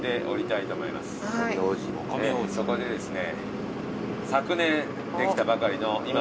そこでですね。